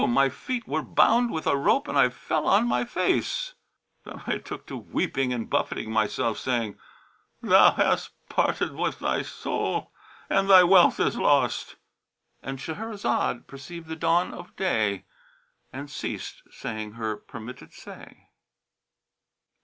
my feet were bound with a rope and I fell on my face. Then I took to weeping and buffeting myself, saying, 'Thou hast parted with thy soul[FN#38] and thy wealth is lost!'" And Shahrazad perceived the dawn of day and ceased saying her permitted say.